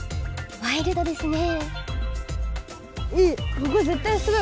ワイルドですね。